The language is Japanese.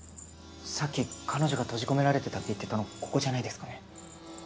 さっき彼女が閉じ込められてたって言ってたのここじゃないですかね？